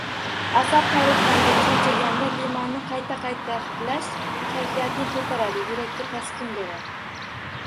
Asab toliqqanda, charchaganda limonni qayta-qayta hidlash kayfiyatni ko‘taradi, yurakka taskin beradi.